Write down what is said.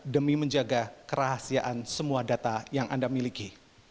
demi menjaga kerahasiaan semua data yang anda miliki